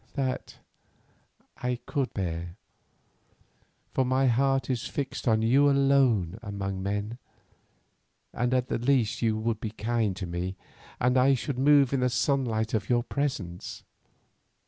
That I could bear, for my heart is fixed on you alone among men, and at the least you would be kind to me, and I should move in the sunlight of your presence.